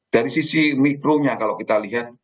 dari sisi mikronya kalau kita lihat